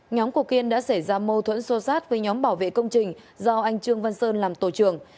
nhóm của kiên đã xảy ra mâu thuẫn sô sát với nhóm bảo vệ công trình do anh trương văn sơn làm tổ trưởng